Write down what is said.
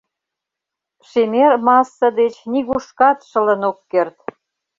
Шемер масса деч нигушкат шылын ок керт!